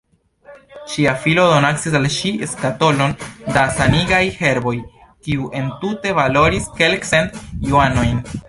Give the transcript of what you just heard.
Ŝia filo donacis al ŝi skatolon da sanigaj herboj, kiu entute valoris kelkcent juanojn.